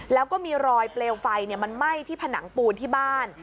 แล้วก็มีรอยเปลวไฟมันไหม้ที่ผนังปูนที่บ้าน